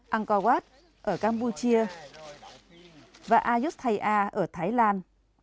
angkor wat ở campuchia và ayutthaya ở thái lan